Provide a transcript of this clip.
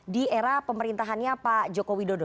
di era pemerintahannya pak joko widodo